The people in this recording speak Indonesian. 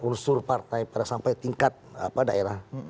unsur partai pada sampai tingkat daerah